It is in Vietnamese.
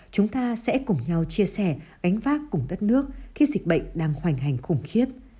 chúng ta sẽ cùng nhau chia sẻ gánh vác cùng đất nước khi dịch bệnh đang hoành hành khủng khiếp